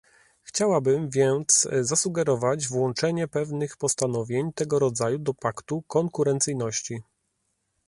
Chciałabym więc zasugerować włączenie pewnych postanowień tego rodzaju do paktu konkurencyjności